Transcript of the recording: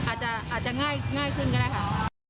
อาจจะง่ายขึ้นก็ได้ค่ะ